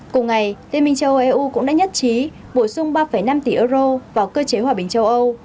cùng ngày liên minh châu âu eu cũng đã nhất trí bổ sung ba năm tỷ euro vào cơ chế hòa bình châu âu